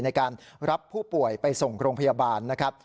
ในการรับผู้ป่วยไปส่งโรงพยาบาลนะครับ